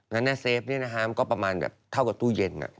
แล้วเนี่ยเซฟเนี่ยนะฮะมันก็ประมาณแบบเท่ากับตู้เย็นอะ